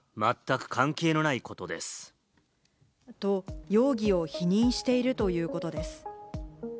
と、容疑を否認しているということです。